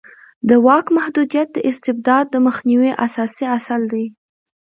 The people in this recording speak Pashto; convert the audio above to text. د واک محدودیت د استبداد د مخنیوي اساسي اصل دی